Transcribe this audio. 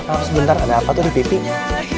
kalau sebentar ada apa tuh di pipinya